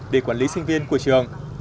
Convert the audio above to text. để quản lý sinh viên của trường